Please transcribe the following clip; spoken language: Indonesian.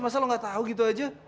masa lo gak tahu gitu aja